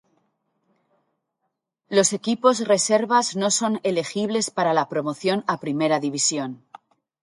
Los equipos reservas no son elegibles para la promoción a primera división.